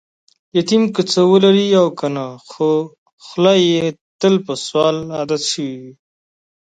یتیم که څه ولري او کنه، خوخوله یې تل په سوال عادت شوې وي.